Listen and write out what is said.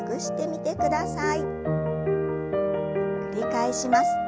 繰り返します。